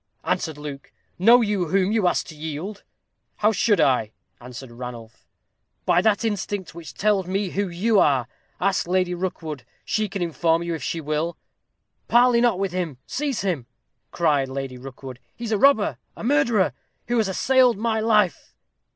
answered Luke. "Know you whom you ask to yield?" "How should I?" answered Ranulph. "By that instinct which tells me who you are. Ask Lady Rookwood she can inform you, if she will." "Parley not with him seize him!" cried Lady Rookwood. "He is a robber, a murderer, who has assailed my life."